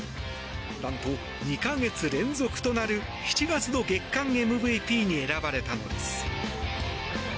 なんと、２か月連続となる７月の月間ＭＶＰに選ばれたのです。